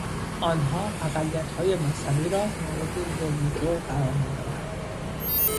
آنها اقلیتهای مذهبی را مورد ظلم و جور قرار میدادند.